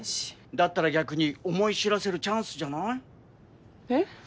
だったら逆に思い知らせるチャンスじゃない？えっ？